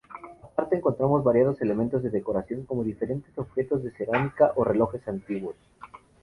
Aparte encontramos variados elementos de decoración, como diferentes objetos de cerámica o relojes antiguos.